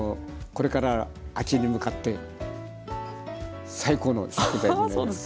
これから秋に向かって最高の食材になります。